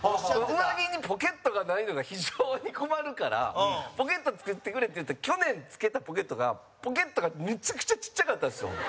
「上着にポケットがないのが非常に困るからポケット作ってくれ」って言って、去年付けたポケットがポケットが、めちゃくちゃちっちゃかったんですよ。